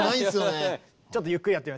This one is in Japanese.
ちょっとゆっくりやってみますよ。